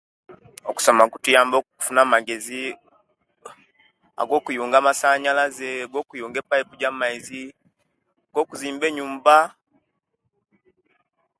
Okusoma kuyamba okufuna amagezi, agokuyunga amasaanyalaze, gokuyunga epaipu jamaizi, gokuzimba enyumba!